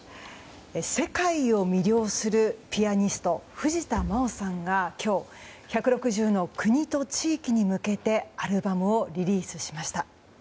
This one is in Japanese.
世界を魅了するピアニスト藤田真央さんが今日、１６０の国と地域に向けてアルバムをリリースしました。